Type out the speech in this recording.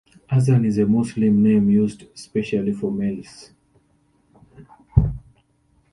Azan is a Muslim name used especially for males.